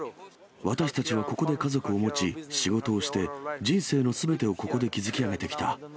私たちはここで家族を持ち、仕事をして、人生のすべてをここで築き上げてきた。